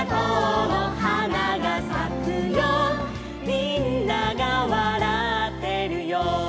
「みんながわらってるよ」